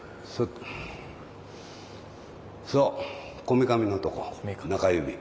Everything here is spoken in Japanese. こめかみのとこ中指。